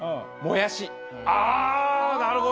ああなるほど。